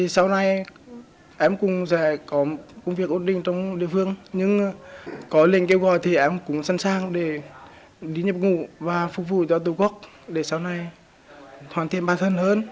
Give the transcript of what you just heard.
sau này em cũng sẽ có công việc ổn định trong địa phương nhưng có lệnh kêu gọi thì em cũng sẵn sàng để đi nhập ngũ và phục vụ cho tổ quốc để sau này hoàn thiện bản thân hơn